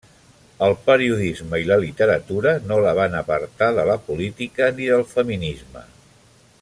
El periodisme i la literatura no la van apartar de la política ni del feminisme.